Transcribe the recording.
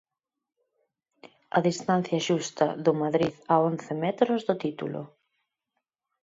A distancia xusta do Madrid a once metros do título.